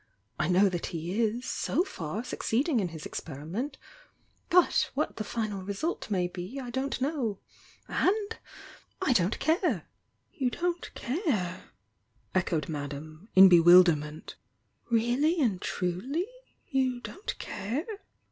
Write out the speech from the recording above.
I know that he is, so far, succeeding in his ' x;i>~ri ment; but what the final result may be I dot. t. kti;,w — and — I don't care!" "You don't care!" echoed Madame, in bewilder ment. "Really and truly? You don't care?"